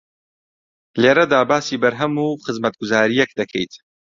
لێرەدا باسی بەرهەم و خزمەتگوزارییەک دەکەیت